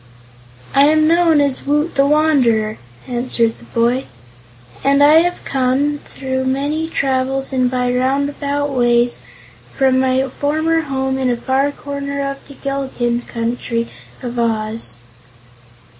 "I am known as Woot the Wanderer," answered the boy, "and I have come, through many travels and by roundabout ways, from my former home in a far corner of the Gillikin Country of Oz."